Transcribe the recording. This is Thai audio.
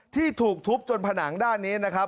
ที่ถูกทุบจนผนังด้านนี้นะครับ